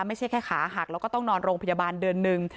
ไม่ใช่แค่ขาหักแล้วก็ต้องนอนโรงพยาบาลเดือนหนึ่ง